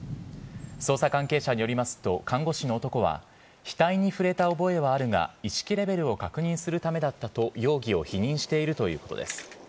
捜査関係者によりますと、看護師の男は、額に触れた覚えはあるが、意識レベルを確認するためだったと容疑を否認しているということです。